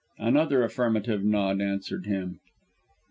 Another affirmative nod answered him.